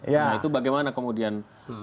nah itu bagaimana kemudian